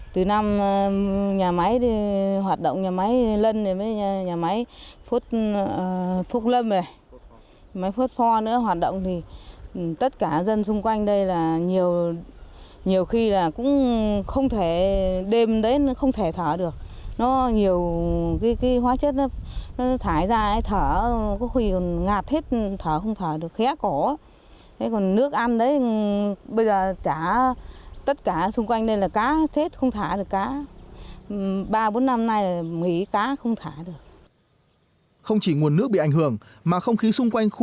tuy nhiên sau nhiều năm đi vào hoạt động thì nơi đây lại là điểm gây ô nhiễm môi trường nặng nề ảnh hưởng đến cuộc sống của hàng nghìn hộ dân xung quanh